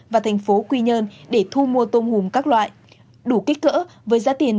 và thành phố quy nhơn để thu mua tôm hùm các loại đủ kích cỡ với giá tiền